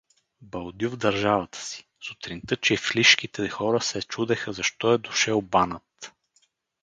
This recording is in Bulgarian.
Балдю в държавата си Сутринта чифлишките хора се чудеха защо е дошел банът.